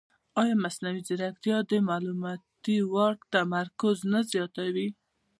ایا مصنوعي ځیرکتیا د معلوماتي واک تمرکز نه زیاتوي؟